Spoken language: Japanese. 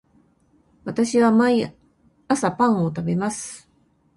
私は毎朝パンを食べます